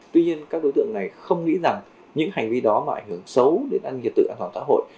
tuy nhiên các đối tượng này không nghĩ rằng những hành vi đó mà ảnh hưởng xấu đến ăn nghiệp tự an toàn xã hội